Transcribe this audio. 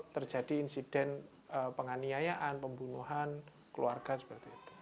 terjadi insiden penganiayaan pembunuhan keluarga seperti itu